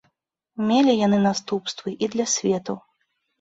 Мелі яны наступствы і для свету.